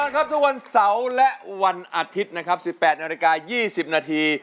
แน่นอนครับทุกวันเสาร์และวันอาทิตย์๑๘นาที๒๐นาที